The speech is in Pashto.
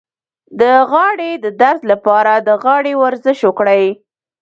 د غاړې د درد لپاره د غاړې ورزش وکړئ